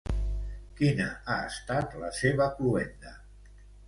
Quina ha estat la seva cloenda?